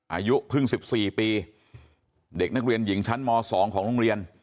อายุเพิ่ง๑๔ปีเด็กนักเรียนหญิงชั้นม๒ของโรงเรียน